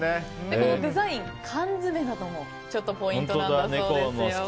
このデザイン、缶詰などもポイントなんだそうですよ。